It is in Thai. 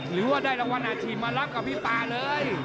หรือว่าได้รางวัลอาชีพมารับกับพี่ปลาเลย